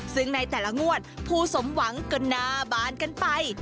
ซึ่งในแต่ละงวดผู้สมหวังก็หน้าบานกันไป